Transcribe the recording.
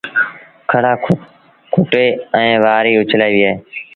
کڙآ ڪُٽي ائيٚݩ وآريٚ اُڇلآئيٚبيٚ اهي